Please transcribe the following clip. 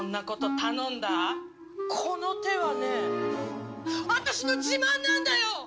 この手はね私の自慢なんだよ！